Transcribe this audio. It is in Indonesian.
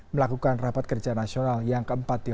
melakukan rapat kerja nasional yang keempat